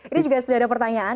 ini juga sudah ada pertanyaan